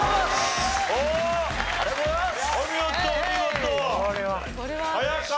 ありがとうございます。